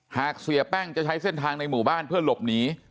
เสียแป้งจะใช้เส้นทางในหมู่บ้านเพื่อหลบหนี